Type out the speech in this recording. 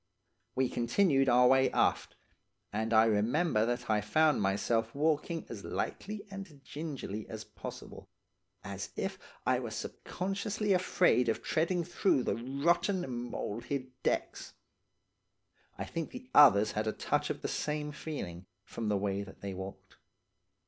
"We continued our way aft, and I remember that I found myself walking as lightly and gingerly as possible, as if I were subconsciously afraid of treading through the rotten, mould hid decks. I think the others had a touch of the same feeling, from the way that they walked.